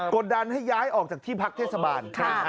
ดดันให้ย้ายออกจากที่พักเทศบาล